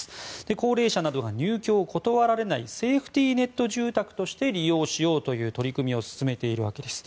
高齢者などが入居を断られないセーフティネット住宅として利用しようという取り組みを進めているわけです。